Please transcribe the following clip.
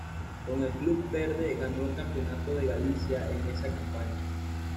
Con el club verde ganó el Campeonato de Galicia en esa campaña.